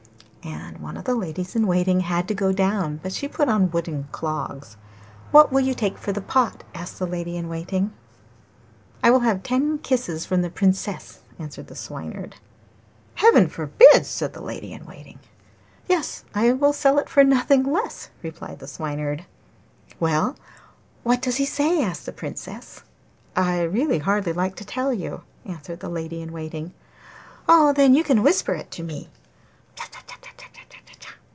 And one of the ladies in waiting had to go down; but she put on wooden clogs. 'What will you take for the pot?' asked the lady in waiting. 'I will have ten kisses from the Princess,' answered the Swineherd. 'Heaven forbid!' said the lady in waiting. 'Yes, I will sell it for nothing less,' replied the Swineherd. 'Well, what does he say?' asked the Princess. 'I really hardly like to tell you,' answered the lady in waiting. 'Oh, then you can whisper it to me.